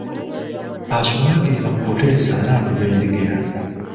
Asumaagirirra mu kuteesa anaatubendegera.